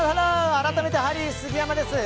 改めてハリー杉山です。